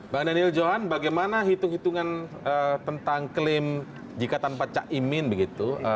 bang daniel johan bagaimana hitung hitungan tentang klaim jika tanpa cak imin begitu